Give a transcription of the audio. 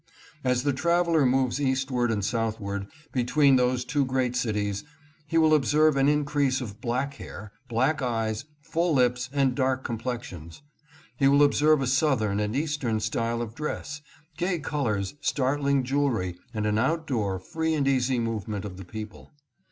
As the traveler moyes eastward and southward be tween those two great cities, he will observe an increase of black hair, black eyes, full lips, and dark complexions. He will observe a Southern and Eastern style of dress ; gay colors, startling jewelry, and an outdoor free and easy movement of the people.